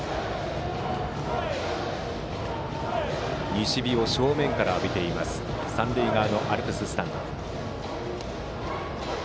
西日を正面から浴びている三塁側のアルプススタンド。